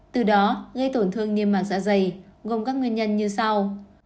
từ đó gây tổn thương niêm mạc dạ dày gồm các nguyên nhân như sau